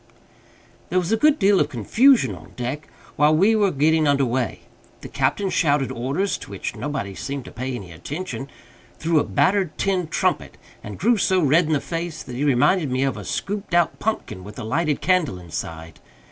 There was a good deal of confusion on deck while we were getting under way. The captain shouted orders (to which nobody seemed to pay any attention) through a battered tin trumpet, and grew so red in the face that he reminded me of a scooped out pumpkin with a lighted candle inside.